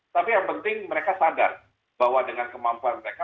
tapi yang penting mereka sadar bahwa dengan kemampuan mereka